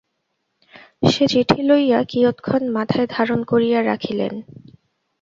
সে চিঠি লইয়া কিয়ৎক্ষণ মাথায় ধারণ করিয়া রাখিলেন।